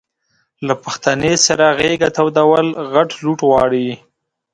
له پښتنې سره غېږه تودول غټ لوټ غواړي.